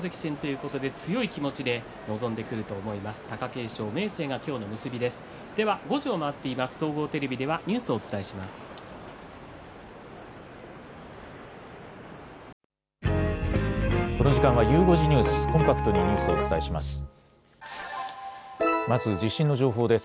この時間はゆう５時ニュース、コンパクトにニュースをお伝えします。